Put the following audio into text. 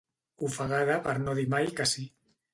Ofegada per no dir mai que sí.